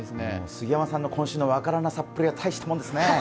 杉山さんの今週の分からなさっぷりが見事ですね。